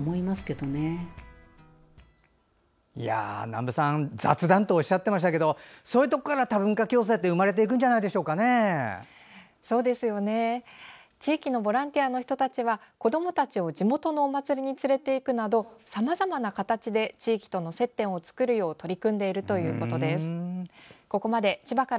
南部さん、雑談とおっしゃってましたけどそういうところから多文化共生って生まれて地域のボランティアの人たちは子どもたちを地元のお祭りに連れていくなどさまざまな形で地域との接点を作るよう取り組んでいるということです。